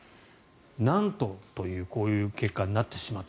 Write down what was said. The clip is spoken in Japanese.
なんとというこういう結果になってしまった。